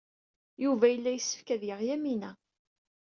Yuba yella yessefk ad yaɣ Yamina.